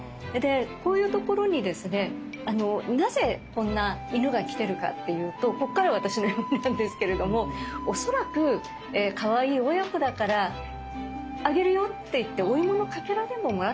こういうところにですねなぜこんな犬が来てるかっていうとこっから私の読みなんですけれども恐らくかわいい親子だから「あげるよ」って言ってお芋のかけらでももらったんだろうなと。